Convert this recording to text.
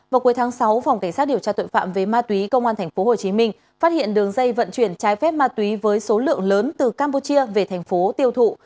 vào cuối tháng sáu phòng cảnh sát điều tra tội phạm về ma túy công an tp hcm phát hiện đường dây vận chuyển trái phép ma túy với số lượng lớn từ campuchia về thành phố tiêu thụ